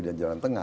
di jalan tengah